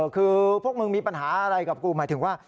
คือพวกมึงมีปัญหาอะไรกับกูหมายถึงว่า